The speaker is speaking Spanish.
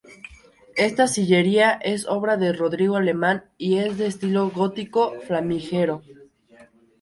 Esta sillería es obra de Rodrigo Alemán y es de estilo gótico flamígero.